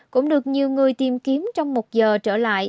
cũng được nhiều người tìm kiếm trong một giờ trở lại